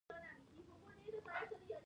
پر دوستانو پوښتنه کول دیني وجیبه ده.